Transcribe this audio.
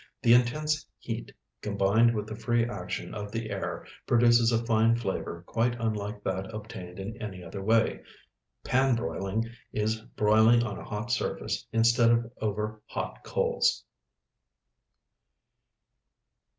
The intense heat, combined with the free action of the air, produces a fine flavor quite unlike that obtained in any other way. Pan broiling is broiling on a hot surface instead of over hot coals.